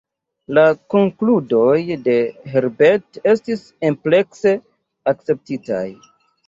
La konkludoj de Herbert estis amplekse akceptitaj.